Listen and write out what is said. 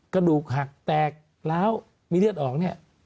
กระดูกหักแตกร้าวมีเลือดออกเนี่ย